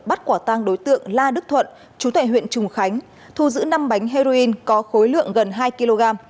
bắt quả tang đối tượng la đức thuận chú tệ huyện trùng khánh thu giữ năm bánh heroin có khối lượng gần hai kg